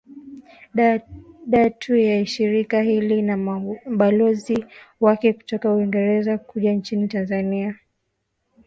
da tu ya shirika hili na mabalozi wake kutoka uingereza kuja nchini tanzania